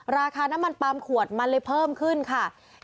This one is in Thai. ราคาน้ำมันปาล์มขวดมันเลยเพิ่มขึ้นค่ะ